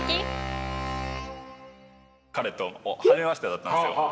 彼と僕はじめましてだったんですよ。